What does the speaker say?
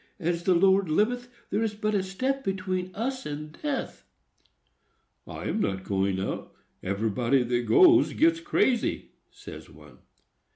As the Lord liveth, there is but a step between us and death!" "I am not going out; everybody that goes gets crazy," says one.